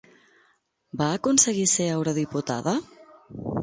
Va aconseguir ser eurodiputada?